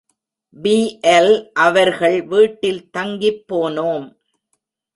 BL., அவர்கள் வீட்டில் தங்கிப் போனோம்.